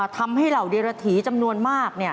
ทำให้เหล่าเดรถีจำนวนมาก